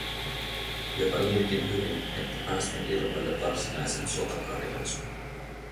Jopa niinkin hyvin, että päästin ilmoille varsinaisen sotakarjaisun: